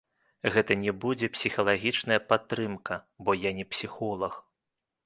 Гэта не будзе псіхалагічная падтрымка, бо я не псіхолаг.